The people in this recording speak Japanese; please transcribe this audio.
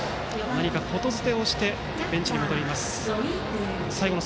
言伝をしてベンチに戻ります。